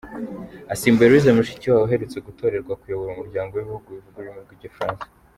Asimbuye Louise Mushikiwabo uherutse gutorerwa kuyobora umuryango w'ibihugu bivuga ururimi rw'Igifaransa.